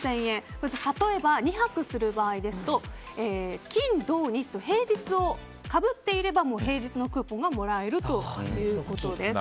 例えば、２泊する場合ですと金、土、日と平日をかぶっていれば平日のクーポンがもらえるということです。